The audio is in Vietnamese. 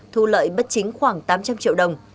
thu lợi bất chính khoảng tám trăm linh triệu đồng